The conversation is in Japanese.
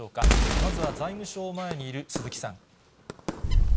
まずは財務省前にいる鈴木さん。